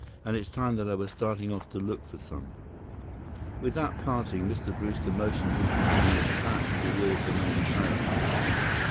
And it's time that I was starting off to look for some." With that parting, Mr. Brewster motioned his companions back toward the main trail.